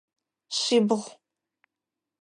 Шъибгъу.